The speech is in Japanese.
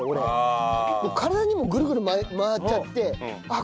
体にもぐるぐる回っちゃってあっ